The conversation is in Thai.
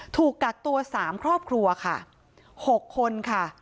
ถูกกักตัว๓ครอบครัวค่ะ๖คนค่ะ